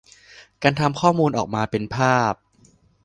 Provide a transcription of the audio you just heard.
การทำข้อมูลออกมาเป็นภาพ